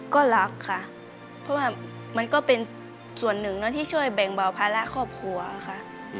ก็รักค่ะเพราะว่ามันก็เป็นส่วนหนึ่งที่ช่วยแบ่งเบาภาระครอบครัวค่ะ